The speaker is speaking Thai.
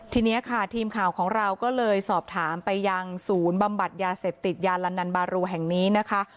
ทีนี้ค่ะทีมข่าวของเราก็เลยสอบถามไปยังศูนย์บำบัดยาเสพติดยานลันนันบารูแห่งนี้นะคะ